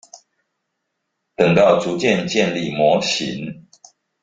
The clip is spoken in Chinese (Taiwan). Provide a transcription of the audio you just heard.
等到逐漸建立模型